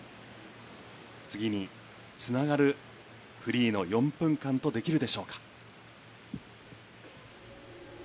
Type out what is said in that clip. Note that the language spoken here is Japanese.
次につながるフリーの４分間とできるでしょうか。